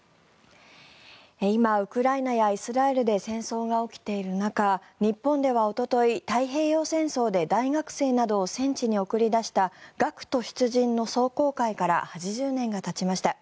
今、ウクライナやイスラエルで戦争が起きている中日本ではおととい、太平洋戦争で大学生などを戦地に送り出した学徒出陣の壮行会から８０年がたちました。